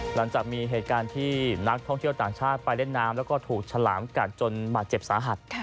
หลังจากมีเหตุการณ์ที่นักท่องเที่ยวต่างชาติไปเล่นน้ำแล้วก็ถูกฉลามกัดจนบาดเจ็บสาหัส